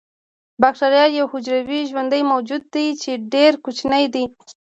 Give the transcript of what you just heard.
باکتریا یو حجروي ژوندی موجود دی چې ډیر کوچنی دی